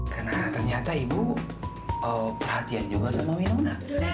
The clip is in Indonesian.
karena ternyata ibu perhatian juga sama wilna